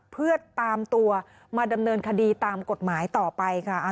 เพื่อตามตัวมาดำเนินคดีตามกฎหมายต่อไปค่ะ